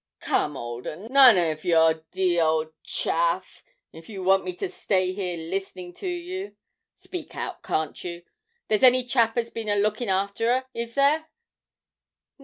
'Come, old 'un, none of your d old chaff, if you want me to stay here listening to you. Speak out, can't you? There's any chap as has bin a lookin' arter her is there?'